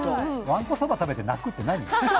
わんこそば食べて泣くってないよ。